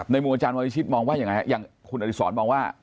มุมอาจารย์วรวิชิตมองว่ายังไงฮะอย่างคุณอดิษรมองว่า